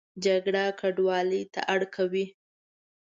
جګړه کډوالۍ ته اړ کوي